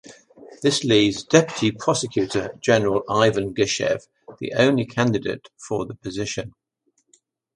This leaves Deputy Prosecutor General Ivan Geshev the only candidate for the position.